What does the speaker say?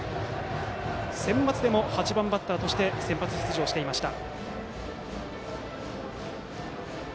センバツでも８番バッターとして先発出場していました。